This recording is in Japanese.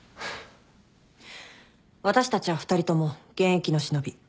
私たちは２人とも現役の忍び。